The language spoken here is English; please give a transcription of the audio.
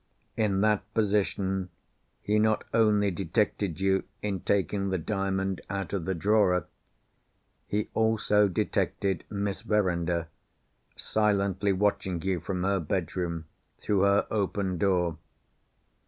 In that position, he not only detected you in taking the Diamond out of the drawer—he also detected Miss Verinder, silently watching you from her bedroom, through her open door.